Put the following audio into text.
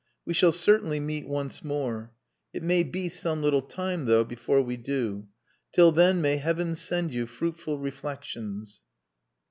We shall certainly meet once more. It may be some little time, though, before we do. Till then may Heaven send you fruitful reflections!"